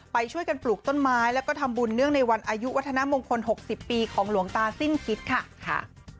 ไปช่วยกันปลูกต้นไม้แล้วก็ทำบุญเนื่องในวันอายุวัฒนามงคล๖๐ปีของหลวงตาสิ้นคิดค่ะ